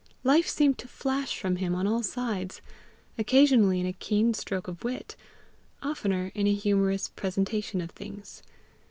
Life seemed to flash from him on all sides, occasionally in a keen stroke of wit, oftener in a humorous presentation of things.